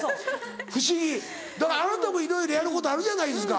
不思議あなたもいろいろやることあるじゃないですか。